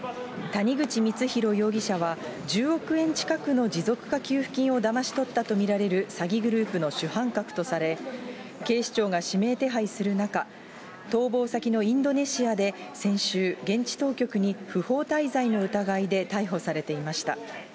谷口光弘容疑者は、１０億円近くの持続化給付金をだまし取ったと見られる詐欺グループの主犯格とされ、警視庁が指名手配する中、逃亡先のインドネシアで先週、現地当局に不法滞在の疑いで逮捕されていました。